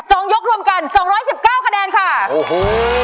สองยกรวมกันสองร้อยสิบเก้าคะแนนค่ะโอ้โห